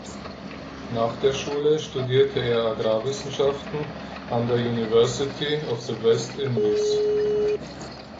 Nach der Schule studierte er Agrarwissenschaften an der University of the West Indies.